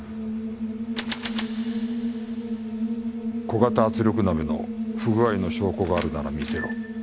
「小型圧力鍋の不具合の証拠があるなら見せろ」